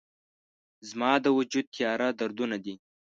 زما د وجود تیاره دردونه دي